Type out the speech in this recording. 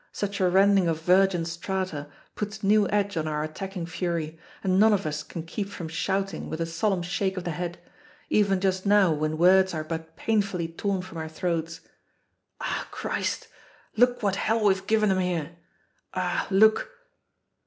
Such a rending of virgin strata puts new edge on our attacking fury, and none of us can keep from shouting with a solemn shake of the head even just now when words are but painfully torn from our throats "Ah, Christ! Look what hell we've given 'em there! Ah, look!"